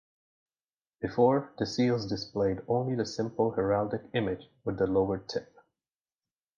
Before, the seals displayed only the simple heraldic image with the lowered tip.